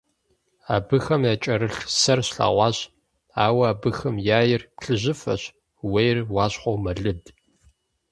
Абыхэм якӀэрылъ сэр слъэгъуащ, ауэ абыхэм яир плъыжьыфэщ, ууейр уащхъуэу мэлыд.